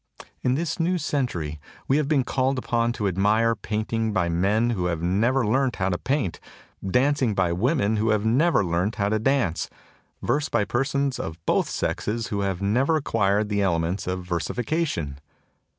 In this new cen tury we have been called upon to admire paint ing by men who have never learnt how to paint, dancing by women who have never learnt how to dance, verse by persons of both sexes who have never acquired the elements of versifica tion.